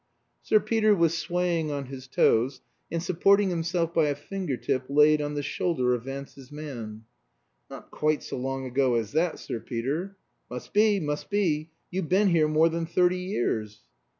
Sir Peter was swaying on his toes, and supporting himself by a finger tip laid on the shoulder of Vance's man. "Not quite so long ago as that, Sir Peter." "Must be, must be; you've been here more than thirty years."